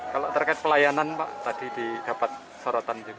kalau terkait pelayanan pak tadi didapat sorotan juga